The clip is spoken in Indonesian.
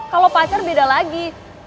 kalo pacar beda lagi